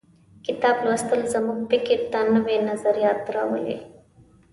کتاب لوستل زموږ فکر ته نوي نظریات راولي.